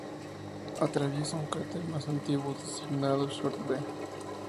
Atraviesa un cráter más antiguo designado "Short B".